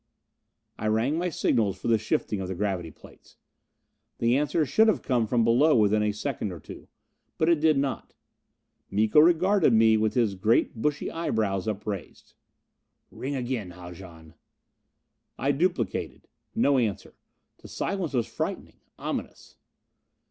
I rang my signals for the shifting of the gravity plates. The answer should have come from below within a second or two. But it did not. Miko regarded me with his great bushy eyebrows upraised. "Ring again, Haljan." I duplicated. No answer. The silence was frightening. Ominous.